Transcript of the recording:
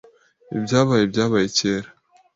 Ibyabaye byabaye kera .